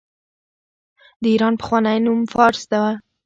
د ایران پخوانی نوم فارس و.